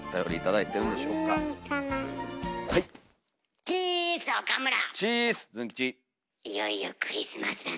いよいよクリスマスだな。